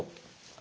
あ！